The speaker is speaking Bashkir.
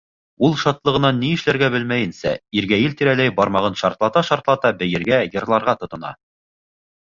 Ул шатлығынан ни эшләргә белмәйенсә, иргәйел тирәләй бармағын шартлата-шартлата бейергә, йырларға тотона.